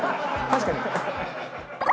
確かに。